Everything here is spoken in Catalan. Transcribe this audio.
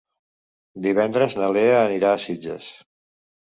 Divendres na Lea anirà a Sitges.